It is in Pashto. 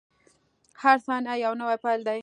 • هره ثانیه یو نوی پیل دی.